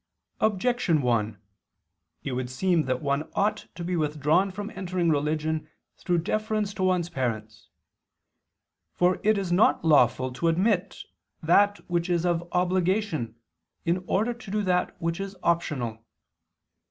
Objection 1: It would seem that one ought to be withdrawn from entering religion through deference to one's parents. For it is not lawful to omit that which is of obligation in order to do that which is optional.